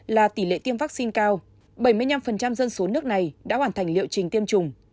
là tỷ lệ tiêm vaccine cao bảy mươi năm dân số nước này đã hoàn thành liệu trình tiêm chủng